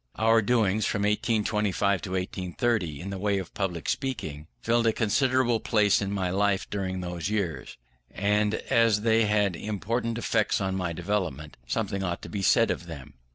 Our doings from 1825 to 1830 in the way of public speaking, filled a considerable place in my life during those years, and as they had important effects on my development, something ought to be said of them.